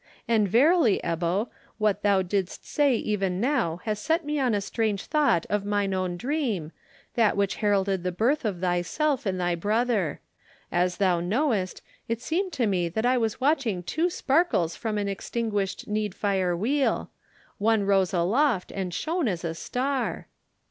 And verily, Ebbo, what thou didst say even now has set me on a strange thought of mine own dream, that which heralded the birth of thyself and thy brother. As thou knowest, it seemed to me that I was watching two sparkles from the extinguished Needfire wheel. One rose aloft and shone as a star!"